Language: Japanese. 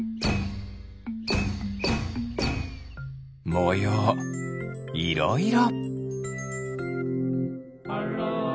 もよういろいろ。